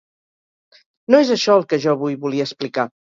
No és això el que jo avui volia explicar.